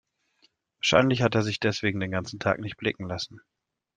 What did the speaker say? Wahrscheinlich hat er sich deswegen den ganzen Tag nicht blicken lassen.